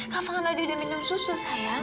kafa gak tadi udah minum susu sayang